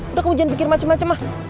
udah kamu jangan pikir macem macem lah